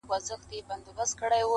• د دې وطن د هر يو گل سره کي بد کړې وي_